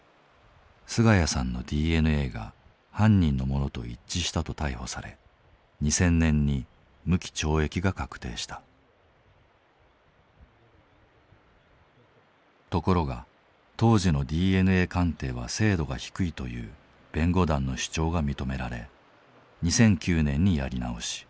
菅家さんのＤＮＡが犯人のものと一致したと逮捕されところが当時のＤＮＡ鑑定は精度が低いという弁護団の主張が認められ２００９年にやり直し。